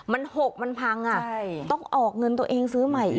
มัน๖มันพังต้องออกเงินตัวเองซื้อใหม่อีก